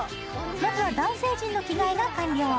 まずは、男性陣の着替えが完了。